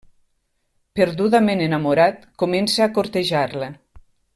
Perdudament enamorat, comença a cortejar-la.